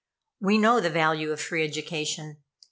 We know the value of free education.